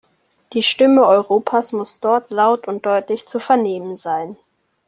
Die Stimme Europas muss dort laut und deutlich zu vernehmen sein.